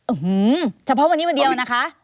อื้อฮือเฉพาะวันนี้มันเดียวนะคะ